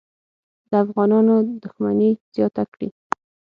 د افغانانو دښمني زیاته کړي.